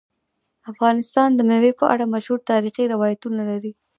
افغانستان د مېوې په اړه مشهور تاریخی روایتونه لري.